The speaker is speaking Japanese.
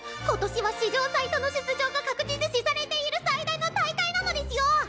今年は史上最多の出場が確実視されている最大の大会なのデスよ！